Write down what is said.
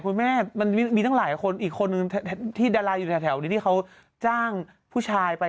จังหวัดใหญ่แล้วเขาบอกว่าไม่